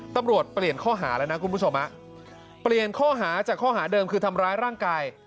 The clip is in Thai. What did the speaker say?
เปลี่ยนข้อหาแล้วนะคุณผู้ชมเปลี่ยนข้อหาจากข้อหาเดิมคือทำร้ายร่างกาย